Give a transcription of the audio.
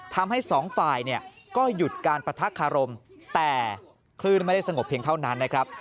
ทำให้สองฝ่ายเนี่ยก็หยุดการปะทะคารมแต่คลื่นไม่ได้สงบเพียงเท่านั้นนะครับ